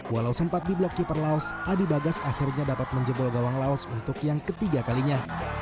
walau sempat di block keeper laos adi bagas akhirnya dapat menjebol gawang laos untuk yang ketiga kalinya